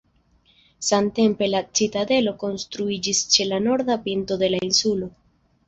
Samtempe la citadelo konstruiĝis ĉe la norda pinto de la insulo.